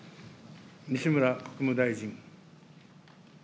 西村国務大臣。